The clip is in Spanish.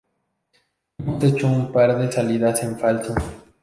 Hemos hecho un par de salidas en falso".